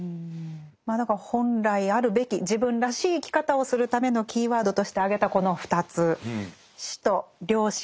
まあだから本来あるべき自分らしい生き方をするためのキーワードとして挙げたこの２つ「死」と「良心」ですね。